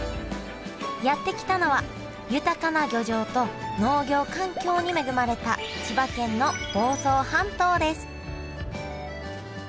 やって来たのは豊かな漁場と農業環境に恵まれた千葉県の房総半島です